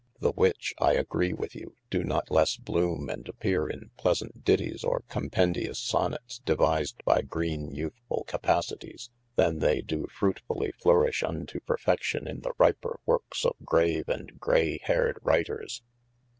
The which (I agree with you) do no lesse bloome and appeare in pleasaunt ditties or compendious Sonets, devised by green youthful capacities, than they do fruitefully florish unto perfection in the ryper workes of grave and grayheared writers.